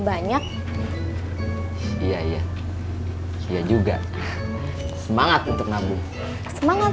banyak ya iya juga semangat untuk nabung semangat